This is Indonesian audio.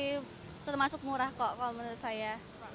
itu termasuk murah kok kalau menurut saya